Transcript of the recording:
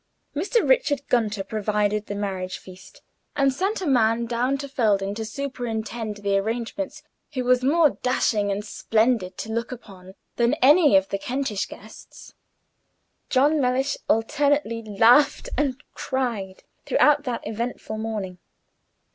Mr. Richard Gunter provided the marriage feast, and sent a man down to Felden to superintend the arrangements, who was more dashing and splendid to look upon than any of the Kentish guests. John Mellish alternately laughed and cried throughout that eventful morning.